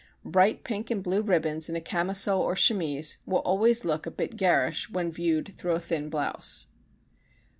Bright pink and blue ribbons in a camisole or chemise will always look a bit garish when viewed through a thin blouse.